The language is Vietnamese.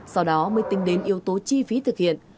sau đó mới tính đến yếu tố chi phí thực hiện